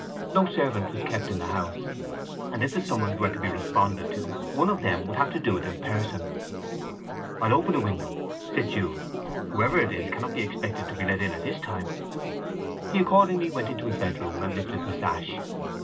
No servant was kept in the house, and if the summons were to be responded to one of them would have to do it in person. "I'll open a window," said Jude. "Whoever it is cannot be expected to be let in at this time." He accordingly went into his bedroom and lifted the sash.